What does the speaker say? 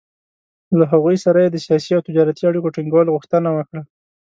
له هغوی سره یې د سیاسي او تجارتي اړیکو ټینګولو غوښتنه وکړه.